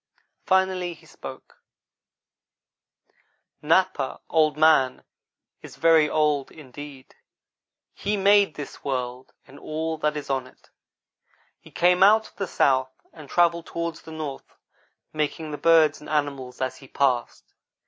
Finally he spoke: "Napa, Old man, is very old indeed. He made this world, and all that is on it. He came out of the south, and travelled toward the north, making the birds and animals as he passed.